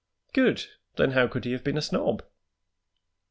"Good! Then how could he have been a snob?"